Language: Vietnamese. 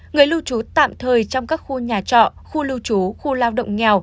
người lưu trú tạm thời trong các khu nhà trọ khu lưu trú khu lao động nghèo